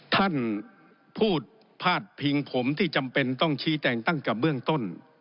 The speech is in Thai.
ท่านพูดพาดพิงผมที่จำเป็นต้องชี้แจงตั้งแต่เบื้องต้น